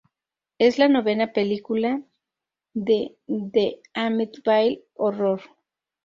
Es la novena película de The Amityville Horror.